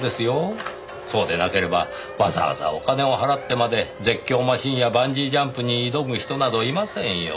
そうでなければわざわざお金を払ってまで絶叫マシンやバンジージャンプに挑む人などいませんよ。